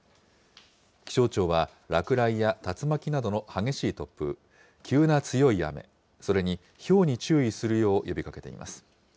気象庁は落雷や竜巻などの激しい突風、急な強い雨、それにひょうに注意するよう呼びかけています。